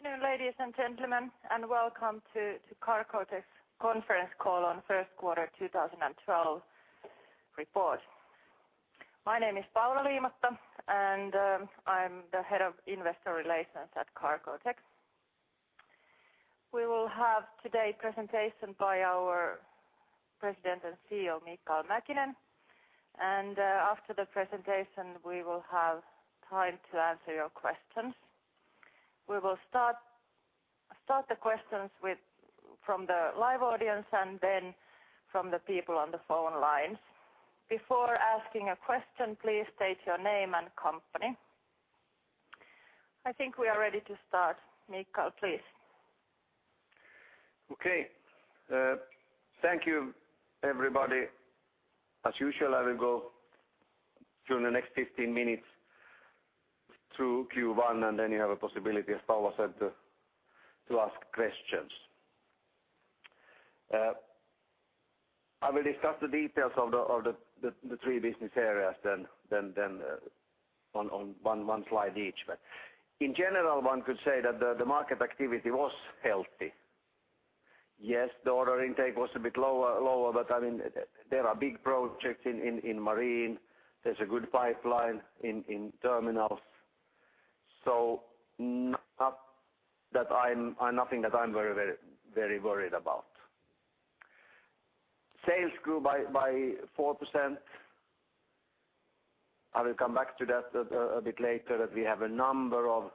Afternoon, ladies and gentlemen, welcome to Cargotec's Conference Call on First Quarter 2012 Report. My name is Paula Liimatta, I'm the Head of Investor Relations at Cargotec. We will have today presentation by our President and CEO, Mikael Mäkinen. After the presentation, we will have time to answer your questions. We will start the questions from the live audience, then from the people on the phone lines. Before asking a question, please state your name and company. I think we are ready to start. Mikael, please. Okay. Thank you everybody. As usual, I will go through the next 15 minutes through Q1, then you have a possibility, as Paula Liimatta said, to ask questions. I will discuss the details of the three business areas then on one slide each. In general, one could say that the market activity was healthy. Yes, the order intake was a bit lower, but I mean, there are big projects in marine. There's a good pipeline in terminals. Nothing that I'm very worried about. Sales grew by 4%. I will come back to that a bit later, as we have a number of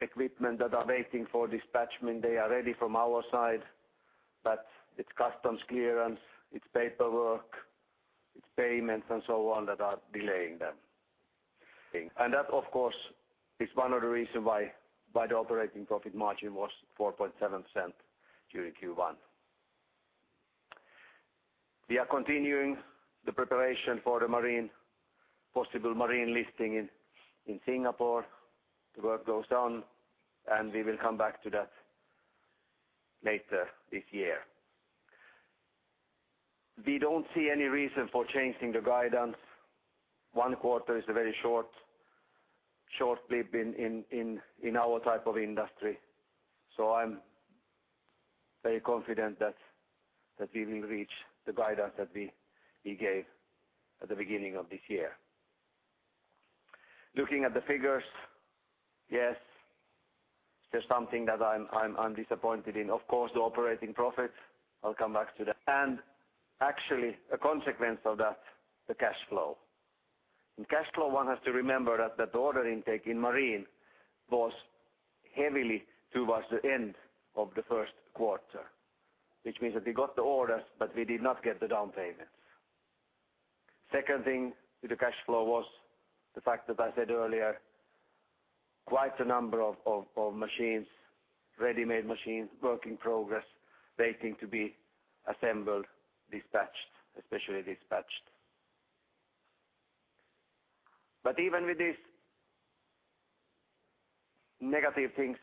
equipment that are waiting for dispatchment. They are ready from our side, but it's customs clearance, it's paperwork, it's payments and so on that are delaying them. That, of course, is one of the reason why the operating profit margin was 4.7% during Q1. We are continuing the preparation for the marine, possible marine listing in Singapore. The work goes on, and we will come back to that later this year. We don't see any reason for changing the guidance. One quarter is a very short blip in our type of industry. I'm very confident that we will reach the guidance that we gave at the beginning of this year. Looking at the figures, yes, there's something that I'm disappointed in. Of course, the operating profits, I'll come back to that. Actually, a consequence of that, the cash flow. In cash flow, one has to remember that the order intake in marine was heavily towards the end of the first quarter. Means that we got the orders, but we did not get the down payments. Second thing to the cash flow was the fact that I said earlier, quite a number of machines, ready-made machines, work in progress, waiting to be assembled, dispatched, especially dispatched. But even with these negative things,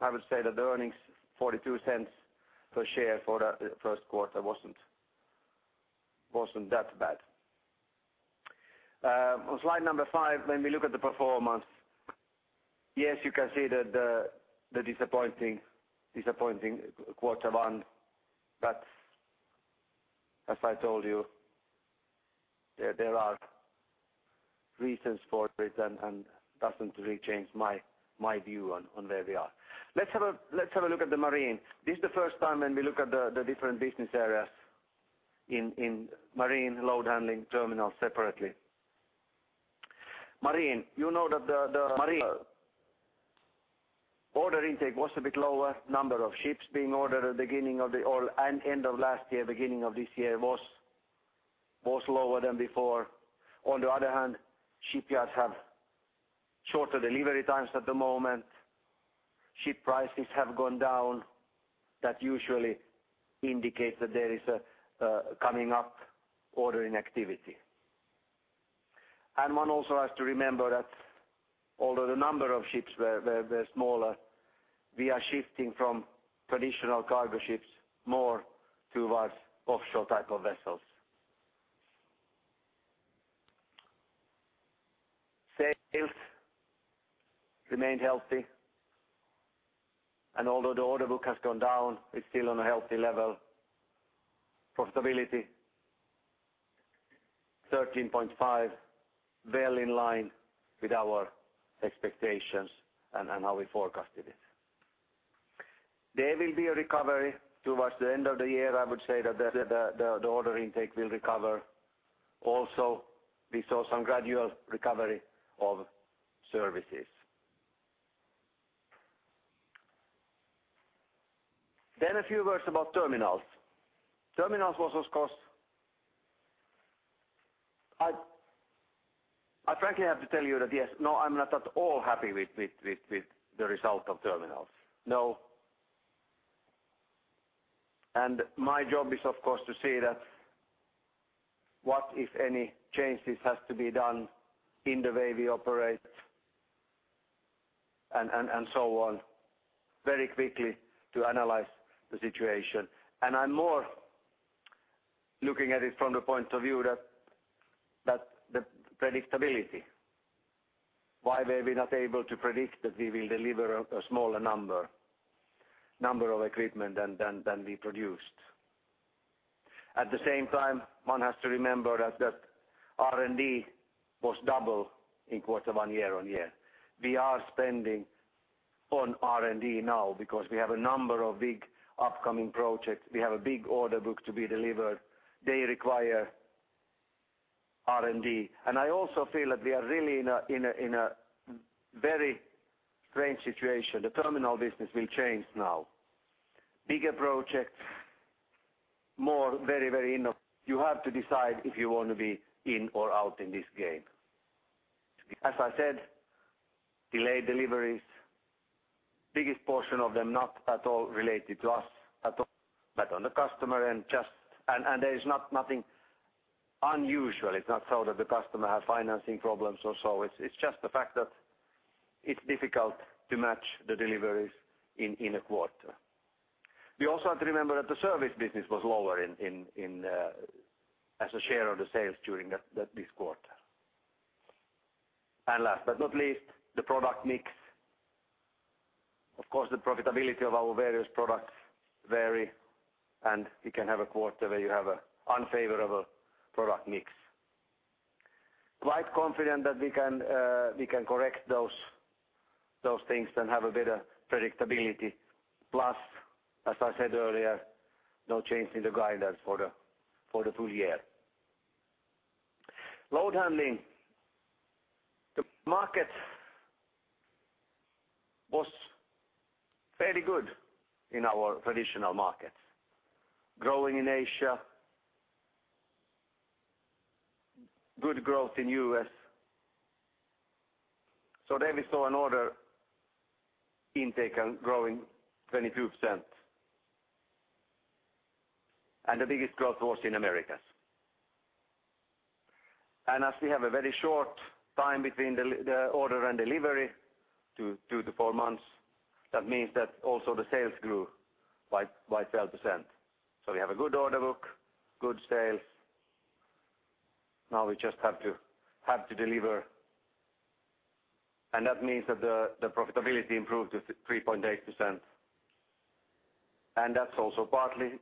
I would say that the earnings, 0.42 per share for the first quarter wasn't that bad. On slide 5, when we look at the performance, yes, you can see that the disappointing quarter one. As I told you, there are reasons for it and doesn't really change my view on where we are. Let's have a look at the marine. This is the first time when we look at the different business areas in Marine, load handling, terminals separately. Marine. You know that the Marine order intake was a bit lower. Number of ships being ordered at the beginning of the oil and end of last year, beginning of this year was lower than before. On the other hand shipyards have shorter delivery times at the moment. Ship prices have gone down that usually indicates that there is a coming up ordering activity. One also has to remember that although the number of ships were smaller, we are shifting from traditional cargo ships more towards offshore type of vessels. Sales remained healthy. Although the order book has gone down, it's still on a healthy level. Profitability 13.5%, well in line with our expectations and how we forecasted it. There will be a recovery towards the end of the year. I would say that the order intake will recover. Also, we saw some gradual recovery of services. A few words about terminals. Terminals was, of course. I frankly have to tell you that yes, no, I'm not at all happy with the result of terminals. No. My job is, of course, to see that what, if any, changes has to be done in the way we operate and so on, very quickly to analyze the situation. I'm more looking at it from the point of view that the predictability, why were we not able to predict that we will deliver a smaller number of equipment than we produced? At the same time, one has to remember that R&D was double in quarter one year-on-year. We are spending on R&D now because we have a number of big upcoming projects. We have a big order book to be delivered. They require R&D. I also feel that we are really in a very strange situation. The terminal business will change now. Bigger projects, more very innovative. You have to decide if you want to be in or out in this game. As I said, delayed deliveries, biggest portion of them not at all related to us at all, but on the customer. There is nothing unusual. It's not so that the customer has financing problems or so. It's just the fact that it's difficult to match the deliveries in a quarter. We also have to remember that the service business was lower in as a share of the sales during that this quarter. Last but not least, the product mix. Of course, the profitability of our various products vary, and you can have a quarter where you have an unfavorable product mix. Quite confident that we can correct those things and have a better predictability. Plus, as I said earlier, no change in the guidance for the full year. Load handling, the market was fairly good in our traditional markets. Growing in Asia. Good growth in U.S. There we saw an order intake growing 22%. The biggest growth was in Americas. As we have a very short time between the order and delivery, 2-4 months, that means that also the sales grew by 12%. We have a good order book, good sales. Now we just have to deliver. That means that the profitability improved to 3.8%. That's also partly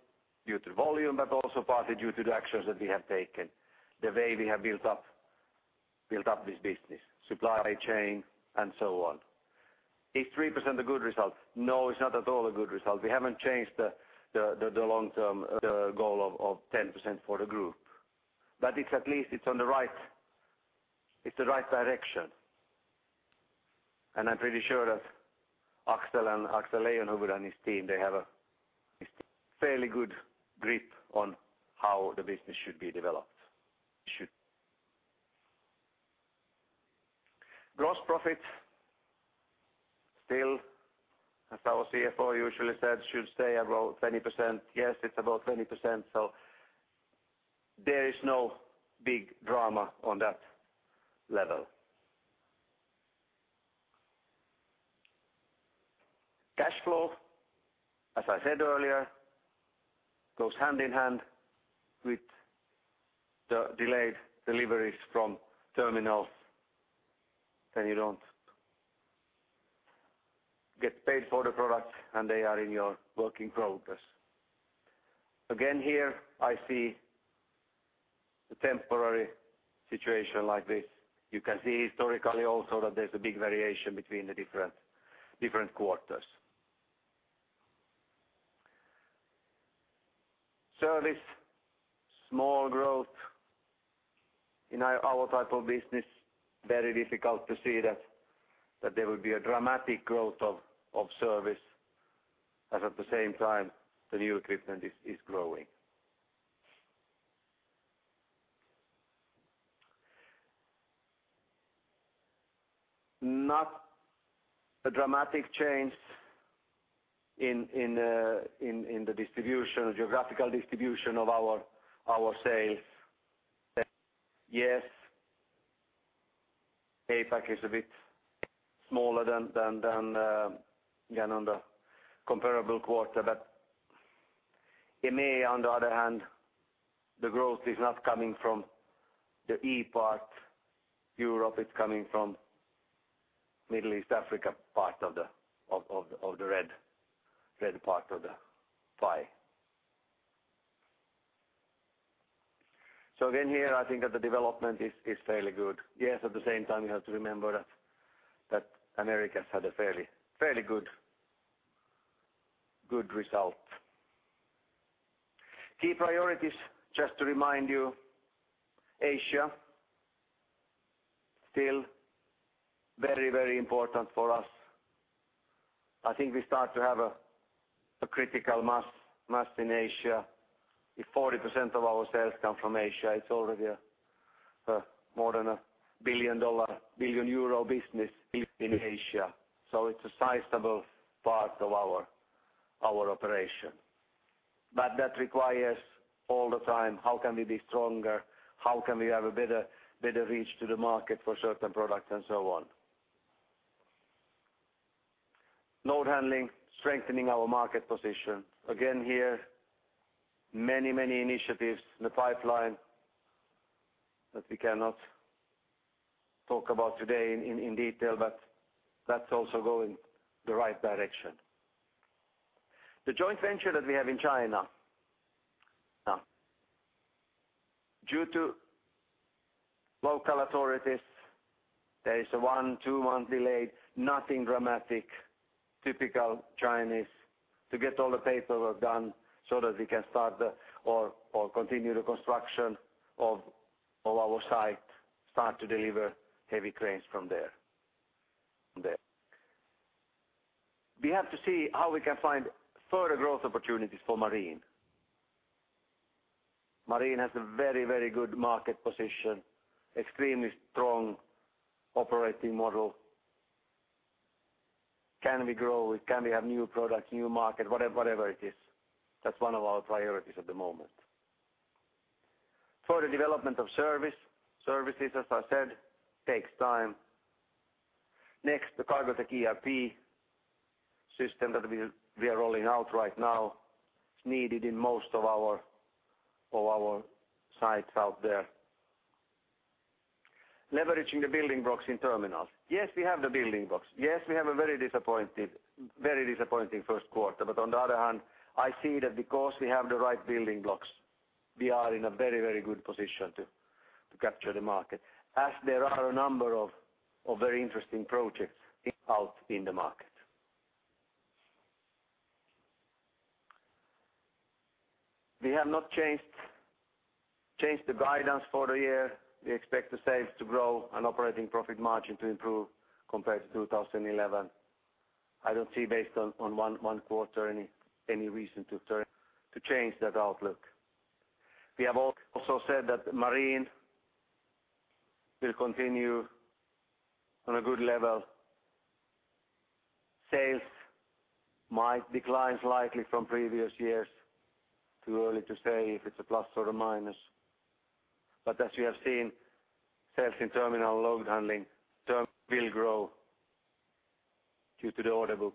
due to volume, but also partly due to the actions that we have taken, the way we have built up this business, supply chain, and so on. Is 3% a good result? No, it's not at all a good result. We haven't changed the long-term goal of 10% for the group. It's at least it's on the right direction. I'm pretty sure that Axel Leijonhufvud and his team, they have a fairly good grip on how the business should be developed. Gross profit, still, as our CFO usually said, should stay above 20%. Yes, it's above 20%, so there is no big drama on that level. Cash flow, as I said earlier, goes hand in hand with the delayed deliveries from terminals. You don't get paid for the products, and they are in your working progress. Again, here I see a temporary situation like this. You can see historically also that there's a big variation between the different quarters. Service, small growth. In our type of business, very difficult to see that there will be a dramatic growth of service, as at the same time the new equipment is growing. Not a dramatic change in the distribution, geographical distribution of our sales. Yes, APAC is a bit smaller than again, on the comparable quarter. In MEA on the other hand, the growth is not coming from the E part, Europe. It's coming from Middle East, Africa part of the red part of the pie. Again, here I think that the development is fairly good. Yes, at the same time, you have to remember that Americas had a fairly good result. Key priorities, just to remind you, Asia still very important for us. I think we start to have a critical mass in Asia. If 40% of our sales come from Asia, it's already a more than a billion dollar, billion euro business built in Asia. It's a sizable part of our operation. That requires all the time, how can we be stronger? How can we have a better reach to the market for certain products and so on? Load handling, strengthening our market position. Again, here, many initiatives in the pipeline that we cannot talk about today in detail, but that's also going the right direction. The joint venture that we have in China. Due to local authorities, there is a 1, 2-month delay. Nothing dramatic. Typical Chinese to get all the paperwork done so that we can start or continue the construction of our site, start to deliver heavy cranes from there. We have to see how we can find further growth opportunities for Marine. Marine has a very good market position, extremely strong operating model. Can we grow? Can we have new products, new market, whatever it is? That's one of our priorities at the moment. Further development of service. Services, as I said, takes time. Next, the Cargotec ERP system that we are rolling out right now. It's needed in most of our sites out there. Leveraging the building blocks in terminals. Yes, we have the building blocks. Yes, we have a very disappointed, very disappointing first quarter. On the other hand, I see that because we have the right building blocks, we are in a very, very good position to capture the market as there are a number of very interesting projects out in the market. We have not changed the guidance for the year. We expect the sales to grow and operating profit margin to improve compared to 2011. I don't see based on one quarter any reason to change that outlook. We have also said that Marine will continue on a good level. Sales might decline slightly from previous years. Too early to say if it's a plus or a minus. As you have seen, sales in terminal load handling term will grow due to the order book.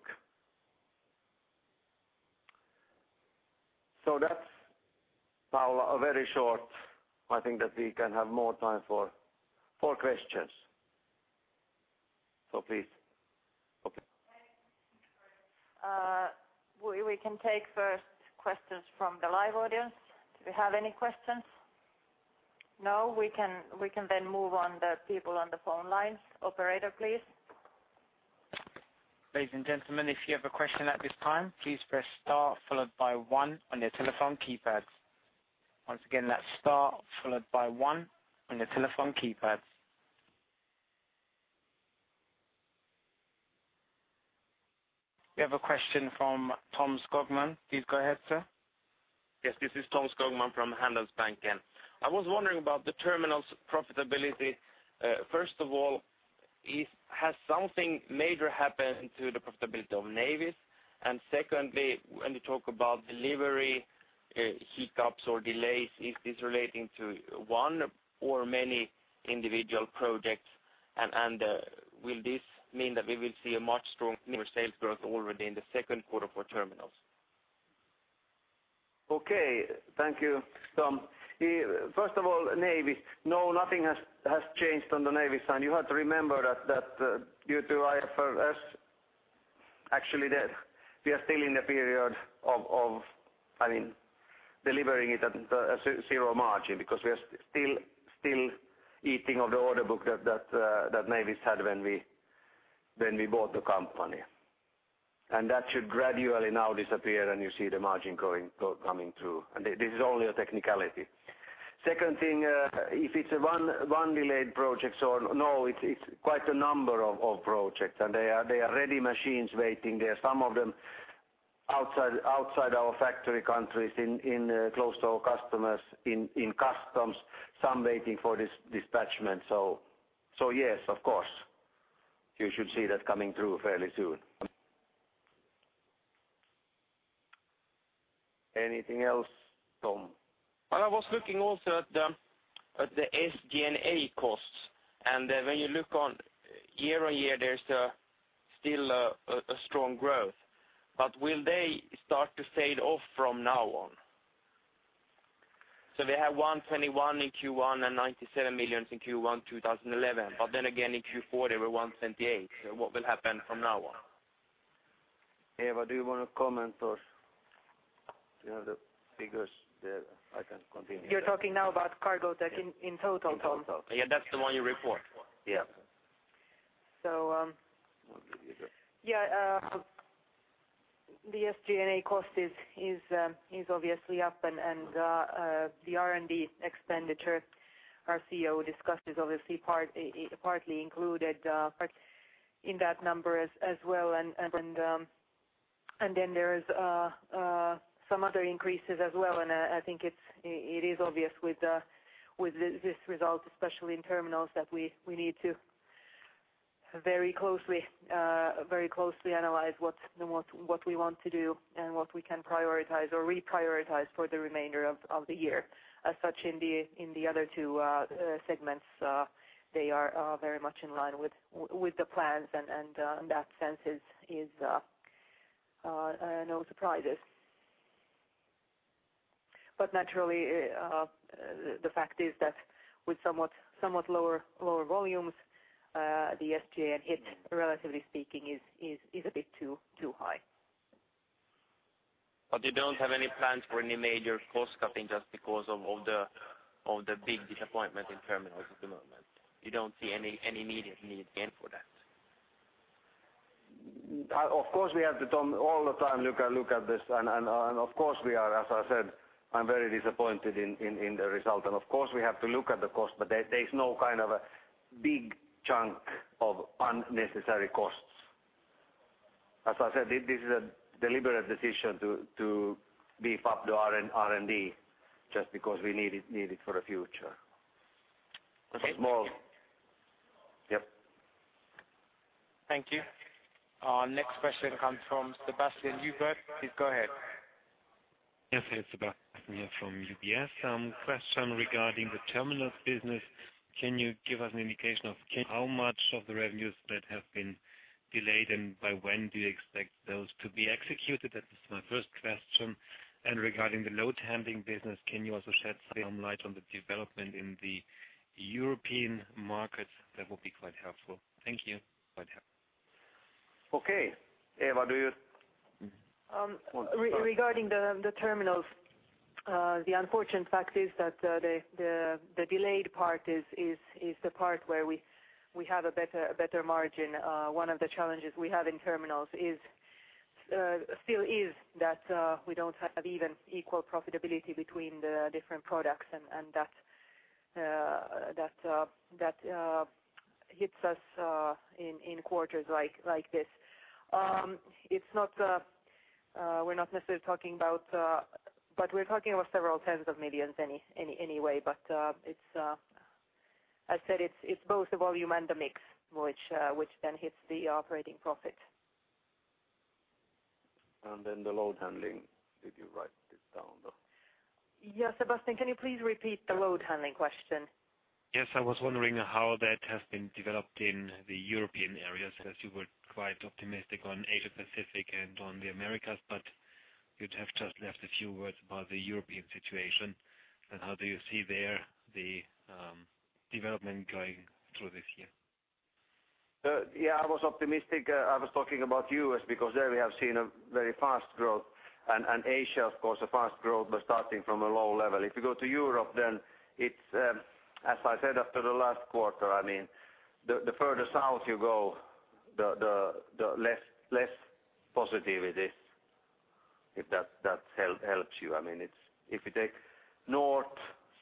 That's now a very short. I think that we can have more time for questions. Please. Okay. Okay. We can take first questions from the live audience. Do we have any questions? No? We can then move on the people on the phone lines. Operator, please. Ladies and gentlemen, if you have a question at this time, please press star followed by one on your telephone keypads. Once again, that's star followed by one on your telephone keypads. We have a question from Tom Skogman. Please go ahead, sir. Yes, this is Tom Skogman from Handelsbanken. I was wondering about the terminals profitability. First of all, has something major happened to the profitability of Navis? Secondly, when you talk about delivery, hiccups or delays, is this relating to one or many individual projects? Will this mean that we will see a much stronger sales growth already in the second quarter for terminals? Okay. Thank you, Tom. First of all, Navis. No nothing has changed on the Navis side. You have to remember that due to IFRS, actually we are still in the period of, I mean, delivering it at zero margin because we are still eating of the order book that Navis had when we bought the company. That should gradually now disappear, and you see the margin going coming through. This is only a technicality. Second thing, if it's a one delayed projects or... it's quite a number of projects, and they are ready machines waiting. There are some of them outside our factory countries in close to our customers in customs, some waiting for dispatchment. Yes, of course, you should see that coming through fairly soon. Anything else, Tom? Well, I was looking also at the SG&A costs. When you look on year-over-year, there's still a strong growth. Will they start to fade off from now on? They have 121 in Q1 and 97 million in Q1, 2011. Bu then In Q4, they were 178. What will happen from now on? Eva, do you wanna comment or do you have the figures there? I can continue. You're talking now about Cargotec in total, Tom? In total. Yeah, that's the one you report. Yeah. So, um. I'll give you the- Yeah. The SG&A cost is obviously up and the R&D expenditure our CEO discussed is obviously partly included part in that number as well. There's some other increases as well. I think it's obvious with this result, especially in terminals, that we need to very closely analyze what's, what we want to do and what we can prioritize or reprioritize for the remainder of the year. As such in the other two segments, they are very much in line with the plans and in that sense is no surprises. Naturally, the fact is that with somewhat lower volumes, the SG&A and relatively speaking is a bit too high. You don't have any plans for any major cost cutting just because of all the big disappointment in terminals at the moment. You don't see any immediate need again for that. Of course, we have to tell all the time, look, I look at this and of course we are as I said, I'm very disappointed in the result. Of course, we have to look at the cost, but there is no kind of a big chunk of unnecessary costs. As I said, this is a deliberate decision to beef up the R&D just because we need it for the future. Okay. Small. Yep. Thank you. Our next question comes from Sebastian Übert. Please go ahead. Yes. Hey, Sebastian here from UBS. Question regarding the terminals business. Can you give us an indication of how much of the revenues that have been delayed and by when do you expect those to be executed? That is my first question. Regarding the load handling business, can you also shed some light on the development in the European markets? That would be quite helpful. Thank you. Quite helpful. Okay. Eva, do you... Regarding the terminals, the unfortunate fact is that the delayed part is the part where we have a better margin. One of the challenges we have in terminals is still that we don't have even equal profitability between the different products and that hits us in quarters like this. It's not we're not necessarily talking about, but we're talking about several tens of millions in anyway. It's I said it's both the volume and the mix which then hits the operating profit. Then the load handling. Did you write this down? Yeah. Sebastian, can you please repeat the load handling question? Yes. I was wondering how that has been developed in the European areas, as you were quite optimistic on Asia Pacific and on the Americas. You'd have just left a few words about the European situation and how do you see there the development going through this year? Yeah, I was optimistic. I was talking about U.S. because there we have seen a very fast growth. Asia of course a fast growth but starting from a low level. If you go to Europe, it's as I said after the last quarter, I mean the further south you go the less positive it is. If that helps you. I mean it's if you take North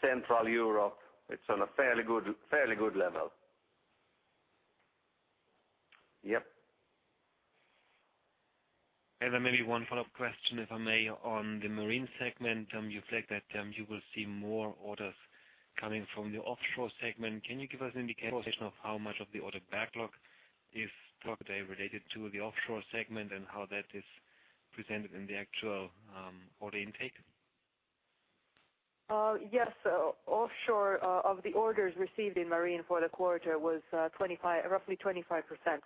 Central Europe, it's on a fairly good level. Yep. Maybe one follow-up question, if I may, on the Marine segment. You flagged that you will see more orders coming from the offshore segment. Can you give us an indication of how much of the order backlog is related to the offshore segment and how that is presented in the actual order intake? Yes. Offshore, of the orders received in Marine for the quarter was, 25, roughly 25%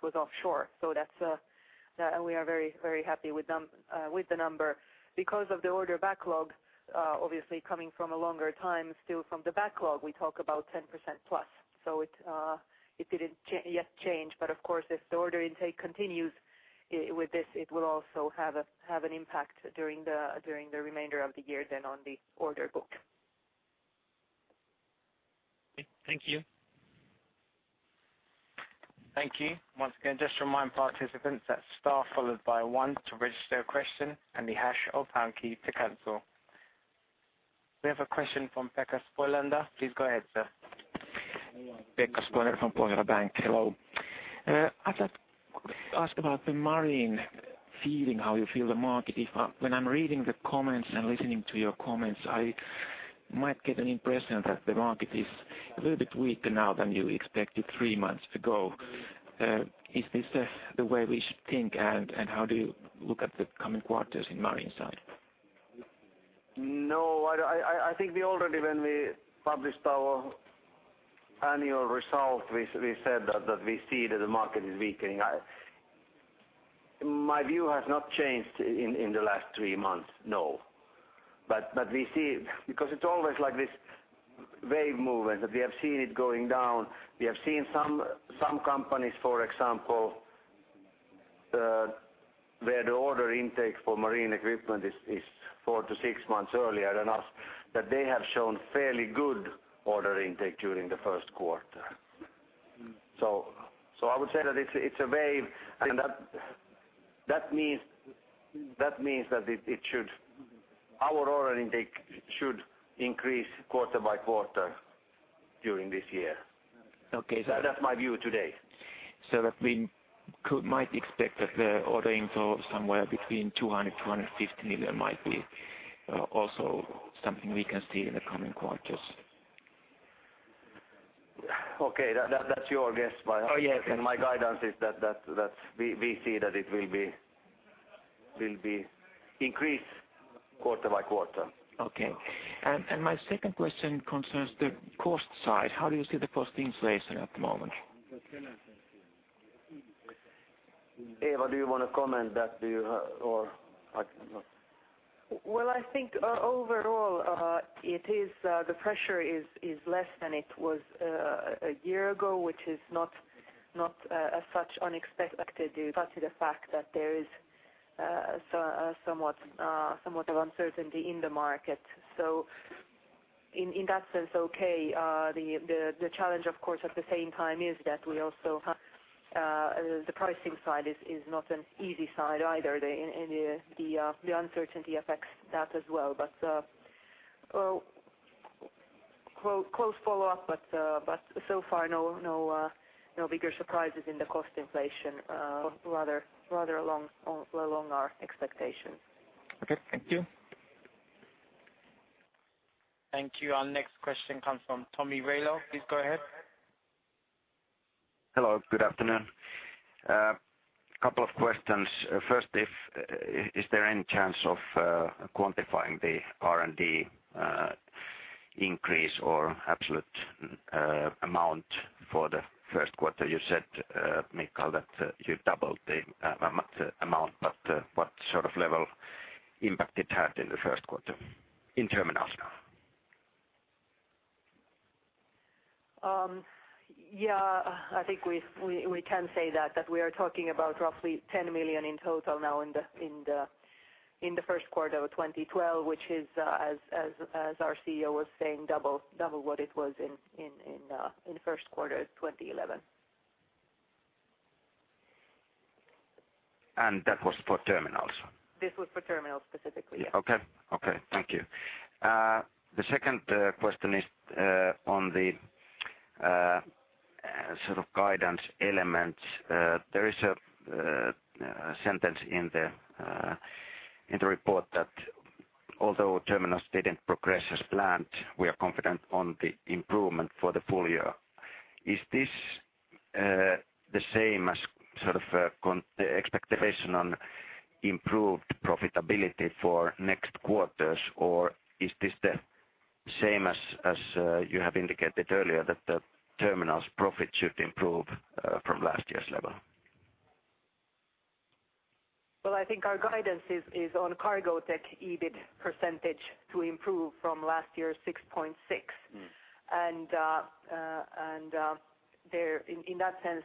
was offshore. That's, and we are very, very happy with the number. Because of the order backlog, obviously coming from a longer time still from the backlog, we talk about 10% plus. It didn't yet change. Of course, if the order intake continues, with this it will also have an impact during the remainder of the year than on the order book. Thank you. Thank you. Once again, just remind participants that star followed by one to register a question and the hash or pound key to cancel. We have a question from Pekka Spolander. Please go ahead, sir. Pekka Spolander from Pohjola Bank. Hello. I'd like ask about the marine feeling, how you feel the market. When I'm reading the comments and listening to your comments, I might get an impression that the market is a little bit weaker now than you expected three months ago. Is this the way we should think, and how do you look at the coming quarters in marine side? No, I don't. I think we already when we published our annual result, we said that we see that the market is weakening. My view has not changed in the last three months, no. We see... It's always like this wave movement that we have seen it going down. We have seen some companies, for example, where the order intake for marine equipment is four to six months earlier than us, that they have shown fairly good order intake during the first quarter. I would say that it's a wave and that means that it should... Our order intake should increase quarter by quarter during this year. Okay. That's my view today. That we might expect that the order info somewhere between 200 million-250 million might be also something we can see in the coming quarters. Okay. That's your guess. Oh, yes. My guidance is that we see that it will be increased quarter by quarter. Okay. My second question concerns the cost side. How do you see the cost inflation at the moment? Eva, do you wanna comment that, do you have or not? Well, I think overall, it is the pressure is less than it was a year ago, which is not as such unexpected due to the fact that there is somewhat of uncertainty in the market. In that sense, okay. The challenge, of course, at the same time is that we also have the pricing side is not an easy side either. The uncertainty affects that as well. Well, close follow-up, but so far no bigger surprises in the cost inflation, rather along our expectations. Okay. Thank you. Thank you. Our next question comes from Tomi Railo. Please go ahead. Hello. Good afternoon. couple of questions. First, if, is there any chance of quantifying the R&D increase or absolute amount for the first quarter? You said, Mikael, that you doubled the amount, what sort of level impact it had in the first quarter in terminals? Yeah. I think we can say that we are talking about roughly 10 million in total now in the first quarter of 2012, which is as our CEO was saying, double what it was in first quarter of 2011. That was for terminals? This was for terminals specifically, yeah. Okay. Okay. Thank you. The second question is on the sort of guidance elements. There is a sentence in the report that although terminals didn't progress as planned, we are confident on the improvement for the full year. Is this the same as sort of the expectation on improved profitability for next quarters, or is this the same as you have indicated earlier that the terminals profit should improve from last year's level? Well, I think our guidance is on Cargotec EBIT percentage to improve from last year's 6.6%. In that sense,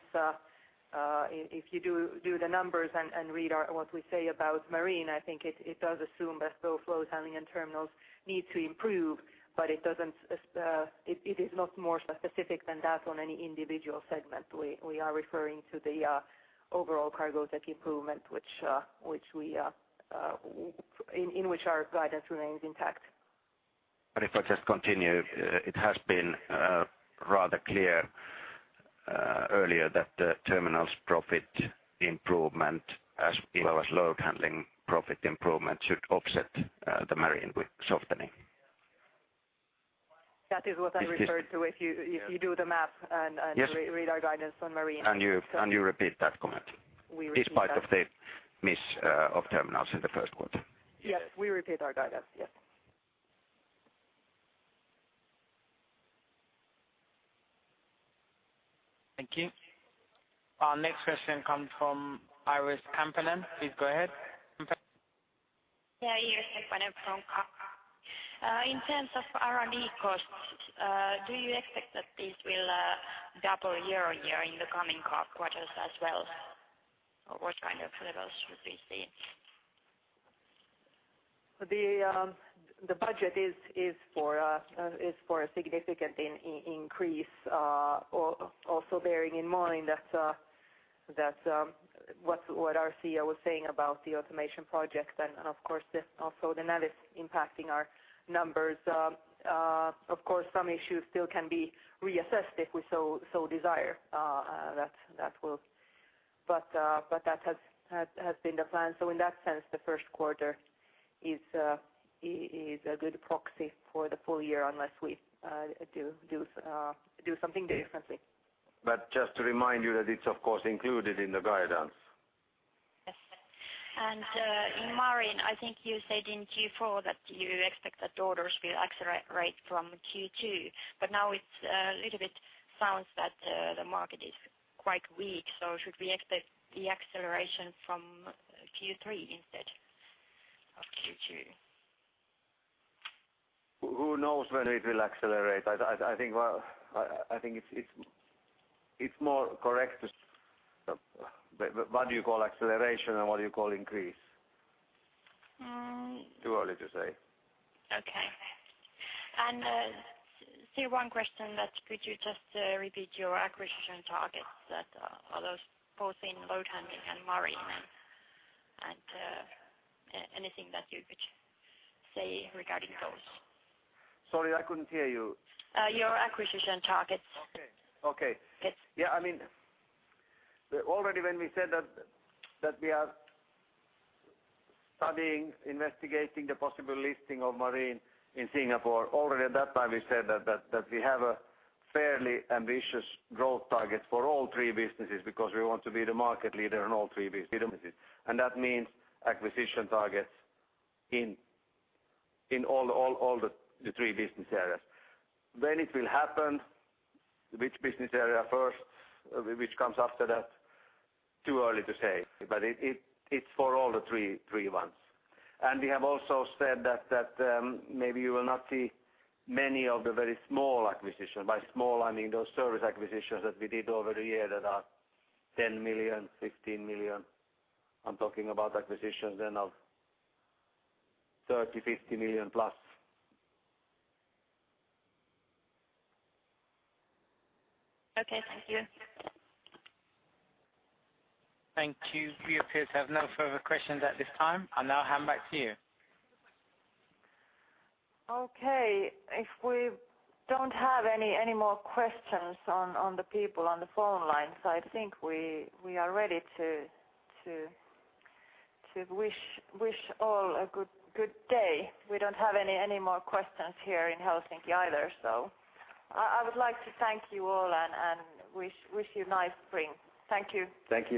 if you do the numbers and read our what we say about Marine, I think it does assume that both Load Handling and Terminals need to improve, but it doesn't it is not more specific than that on any individual segment. We are referring to the overall Cargotec improvement, which we in which our guidance remains intact. If I just continue, it has been rather clear earlier that the terminals profit improvement as well as Load Handling profit improvement should offset the Marine with softening. That is what I referred to. If you do the math- Yes. Read our guidance on Marine. You repeat that comment? We repeat that. Despite of the miss, of terminals in the first quarter? Yes, we repeat our guidance. Yes. Thank you. Our next question comes from Iiris Kemppainen. Please go ahead, Kemppainen. Yeah, Iiris Kemppainen from. In terms of R&D cost do you expect that this will double year-on year in the coming quarters as well? What kind of levels should be seen? The budget is for is significant increased. Also bearing in mind that what our CEO was saying about the automation project and then of course also another impacting our numbers of course, some issues still can be reassessed if we so desire but that has been defined so in that sense, the first quarter is a good proxy for the full year unless we do something differently. But just to remind you that it's of course included in the guidance. Yes. In Marine I think you said in Q4 that we either expect that orders will accelerate right from Q2 but now it is a little bit sounds that the market is quite weak so should we expect the acceleration from Q3 instead? Q3. Who knows that it will accelerate I think it is more correct to. What do you call acceleration and what do you call increase? Too early to say. Okay and see one question that could you just repeat your acquisition target that's all both in Load Handling and Marine and anything you could say were not imposed. Sorry, I couldn't hear you. Your acquisition targets. Okay. Already when we said that we are investigating the possible listing of Marine in Singapore already and at that time we said that we have a fairly ambitious growth target for all three business because we want to be the market leader in all three businesses and that means acquisition targets in all the three business areas, then it will happen which business area first, which comes after that too early to say but it is for all three ones and we have also said that maybe you will not see many of the very small acquisition, I mean those store acquisitions that we did over that years that are 10 million, 15 million. I am talking about acquisitions in 30-50 million plus. Okay. Thank you. Thank you. We appear to have no further questions at this time. I'll now hand back to you. Okay. If we don't have any more questions on the people on the phone lines, I think we are ready to wish all a good day. We don't have any more questions here in Helsinki either. I would like to thank you all and wish you nice spring. Thank you. Thank you.